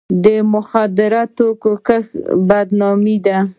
د مخدره توکو کښت بدنامي ده.